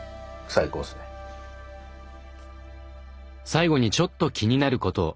最後にちょっと気になることを。